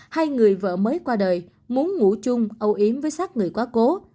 hay người vợ mới qua đời muốn ngủ chung ấu yếm với sát người quá cố